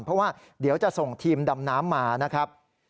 เพราะว่าเดี๋ยวจะส่งทีมดำน้ำมานะครับ